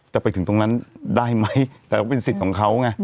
จะไปถึงตรงนั้นได้ไหมแต่ก็เป็นสิทธิ์ของเขาไง